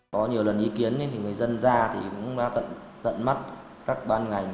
có nhiều lần ý kiến nên người dân ra cũng đã tận mắt các ban ngành